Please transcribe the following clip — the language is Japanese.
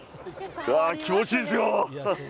気持ちいいですよ！